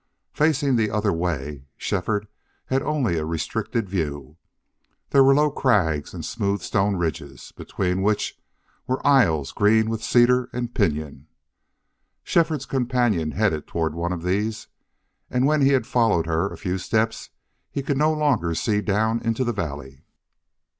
Facing the other way, Shefford had only a restricted view. There were low crags and smooth stone ridges, between which were aisles green with cedar and pinyon. Shefford's companion headed toward one of these, and when he had followed her a few steps he could no longer see down into the valley.